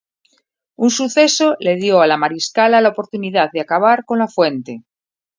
Un suceso le dio a la Mariscala la oportunidad de acabar con La Fuente.